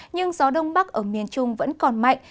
nhưng gió đông bắc ở miền trung vẫn còn mạnh